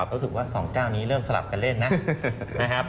รู้สึกว่า๒เจ้านี้เริ่มสลับกันเล่นนะครับ